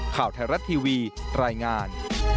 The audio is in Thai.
ข่าวไทยรัฐทีวีรายงาน